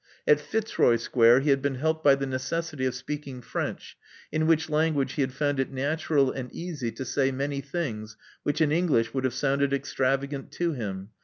At Fitzroy Square he had been helped by the necessity of speaking French, in which language he had found it natural and easy to say many things which in English would have sounded extravagant to him.